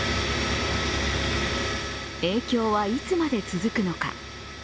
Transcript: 影響はいつまで続くのか。